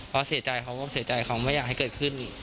เพราะเสียใจเขาก็เสียใจเขาไม่อยากให้เกิดขึ้น